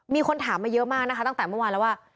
มีคนถามมาเยอะมากนะคะตั้งแต่เมื่อวานแล้วว่า